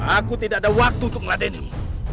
aku tidak ada waktu untuk meladenimu